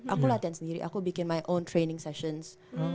aku latihan sendiri aku bikin my on training sessions